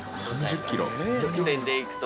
直線でいくと。